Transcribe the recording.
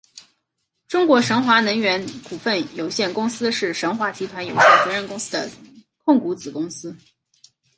中国神华能源股份有限公司是神华集团有限责任公司的控股子公司。